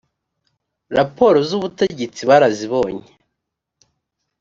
raporo z ubutegetsi barazibonye